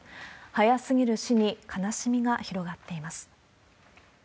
早すぎる死に、悲しみが広がっています。